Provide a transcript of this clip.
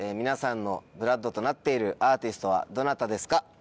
皆さんのＢＬＯＯＤとなっているアーティストはどなたですか？